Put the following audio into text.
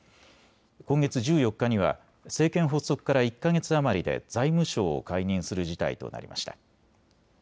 今月１４日には政権発足から１か月余りで財務相を解任する事態となりました。